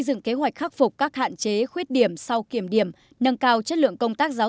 dựng kế hoạch khắc phục các hạn chế khuyết điểm sau kiểm điểm nâng cao chất lượng công tác giáo